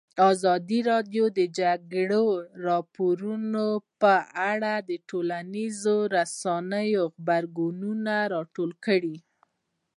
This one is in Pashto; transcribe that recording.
ازادي راډیو د د جګړې راپورونه په اړه د ټولنیزو رسنیو غبرګونونه راټول کړي.